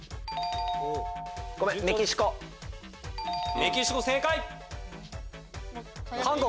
メキシコ正解。